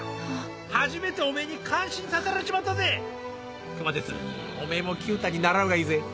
初めておめぇに感心させられちまったぜ熊徹おめぇも九太に習うがいいぜ。